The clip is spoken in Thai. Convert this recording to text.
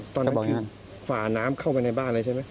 ตอนนั้นบอกฝ่าน้ำเข้าไปในบ้านเลยใช่ไหม